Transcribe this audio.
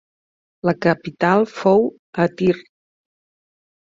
La capital fou a Tir.